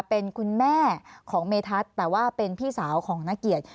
เป็นคุณแม่ของเมธัศน์แต่ว่าเป็นพี่สาวของนักเกียรติ